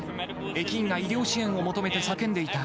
駅員が医療支援を求めて叫んでいた。